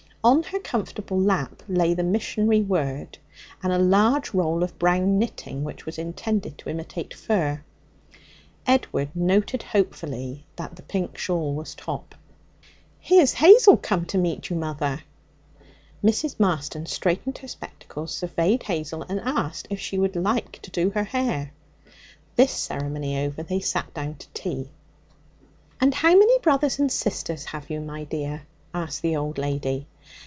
On her comfortable lap lay the missionary Word and a large roll of brown knitting which was intended to imitate fur. Edward noted hopefully that the pink shawl was top. 'Here's Hazel come to see you, mother!' Mrs. Marston straightened her spectacles, surveyed Hazel, and asked if she would like to do her hair. This ceremony over, they sat down to tea. 'And how many brothers and sisters have you, my dear?' asked the old lady.